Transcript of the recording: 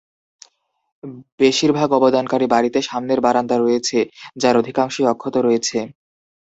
বেশিরভাগ অবদানকারী বাড়িতে সামনের বারান্দা রয়েছে, যার অধিকাংশই অক্ষত রয়েছে।